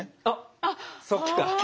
あっそっか。